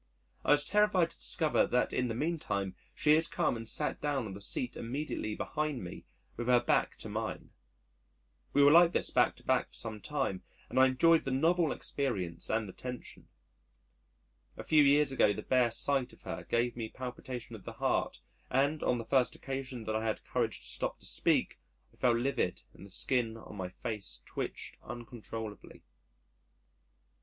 I was terrified to discover that in the meantime she had come and sat down on the seat immediately behind me with her back to mine. We sat like this back to back for some time and I enjoyed the novel experience and the tension. A few years ago, the bare sight of her gave me palpitation of the heart, and, on the first occasion that I had the courage to stop to speak, I felt livid and the skin on my face twitched uncontrollably.